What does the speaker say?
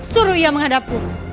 suruh ia menghadapku